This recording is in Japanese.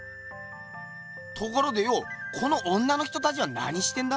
ところでよこの女の人たちは何してんだ？